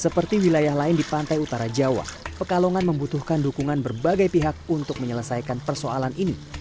seperti wilayah lain di pantai utara jawa pekalongan membutuhkan dukungan berbagai pihak untuk menyelesaikan persoalan ini